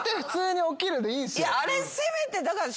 あれせめてだから。